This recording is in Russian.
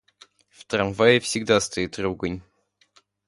В трамвае всегда стоит ругань.